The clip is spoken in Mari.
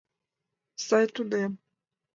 Сай тунем.